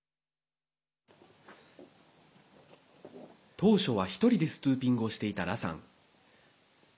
当初は１人でストゥーピングをしていた羅さん。